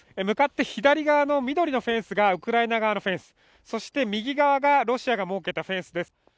向かって左側の緑のフェンスがウクライナ側のフェンスそして、右側がロシアが設けたフェンスです。